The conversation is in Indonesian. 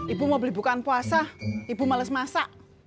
ibu mau beli bukaan puasa ibu males masak